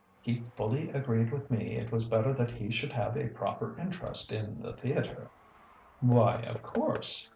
He fully agreed with me it was better that he should have a proper interest in the theatre." "Why of course!"